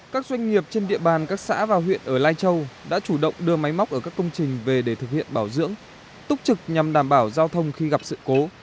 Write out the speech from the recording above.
các doanh nghiệp trên địa bàn các xã và huyện ở lai châu đã chủ động đưa máy móc ở các công trình về để thực hiện bảo dưỡng túc trực nhằm đảm bảo giao thông khi gặp sự cố